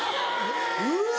うわ！